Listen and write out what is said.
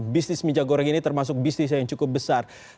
bisnis minyak goreng ini termasuk bisnis yang cukup besar